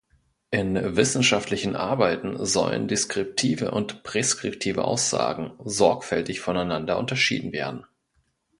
In wissenschaftlichen Arbeiten sollen deskriptive und präskriptive Aussagen sorgfältig voneinander unterschieden werden.